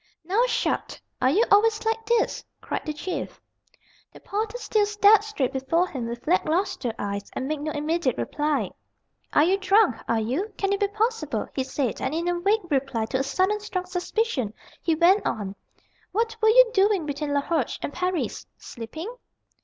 "Now. Sharp! Are you always like this?" cried the Chief. The porter still stared straight before him with lack lustre eyes, and made no immediate reply. "Are you drunk? are you Can it be possible?" he said, and in vague reply to a sudden strong suspicion, he went on: "What were you doing between Laroche and Paris? Sleeping?"